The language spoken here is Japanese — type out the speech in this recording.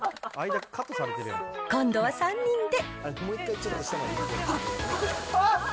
今度は３人で。